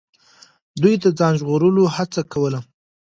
دوی د ځان ژغورلو هڅه کوله.